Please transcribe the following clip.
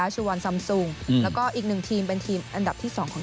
ส่วนอันดับ๓